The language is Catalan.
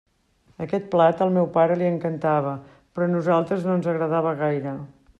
Aquest plat, al meu pare, li encantava, però a nosaltres no ens agradava gaire.